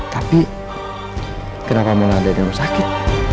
tapi kenapa malah ada di rumah sakit